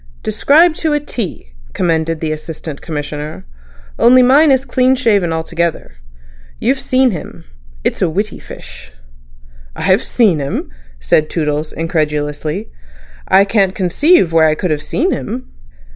"Described to a T," commended the Assistant Commissioner. "Only mine is clean shaven altogether. You've seen him. It's a witty fish." "I have seen him!" said Toodles incredulously. "I can't conceive where I could have seen him."